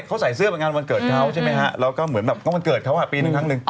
เขาใส่เสื้อเป็นงานวันเกิดเขาใช่ไหมฮะแล้วก็เหมือนแบบก็วันเกิดเขาปีนึงครั้งหนึ่ง